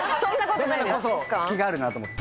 だからこそ隙があるなと思って。